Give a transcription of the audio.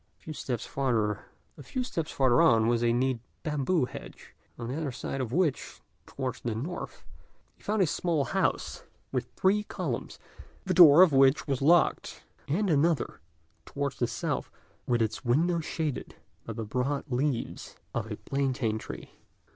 A few steps farther on was a neat bamboo hedge, on the other side of which, towards the north, he found a small house, with three columns, the door of which was locked; and another, towards the south, with its window shaded by the broad leaves of a plaintain tree.